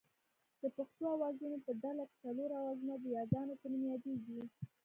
د پښتو آوازونو په ډله کې څلور آوازونه د یاګانو په نوم یادېږي